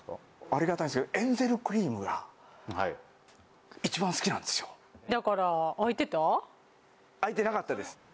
ありがたいですけどエンゼルクリームが一番好きなんですよだから空いてた？